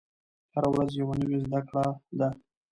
هره ورځ یوه نوې زده کړه ده.